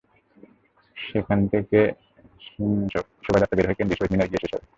সেখান থেকে শোভাযাত্রা বের হয়ে কেন্দ্রীয় শহীদ মিনারে গিয়ে শেষ হবে।